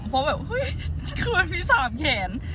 เพราะแบบเฮ้ยคือมันมีสามแขน